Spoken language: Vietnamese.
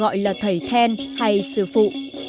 gọi là thầy then hay sư phụ